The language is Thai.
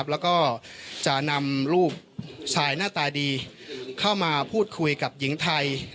แล้วก็จะนำลูกชายหน้าตาดีเข้ามาพูดคุยกับหญิงไทย